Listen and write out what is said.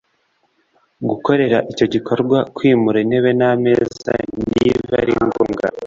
gukorera icyo gikorwa Kwimura intebe n ameza niba ari ngombwa